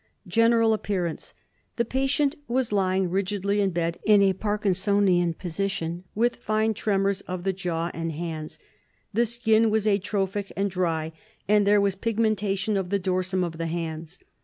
General Appearance: The patient was lying rigidly in bed in a Parkinsonian position with fine tremors of the jaw and hands. The skin was atrophic and dry, and there was pigmentation of the dorsum of the hands.